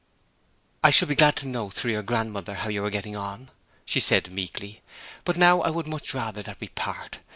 'I shall be glad to know through your grandmother how you are getting on,' she said meekly. 'But now I would much rather that we part.